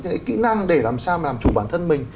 những cái kỹ năng để làm sao làm chủ bản thân mình